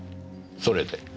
それで？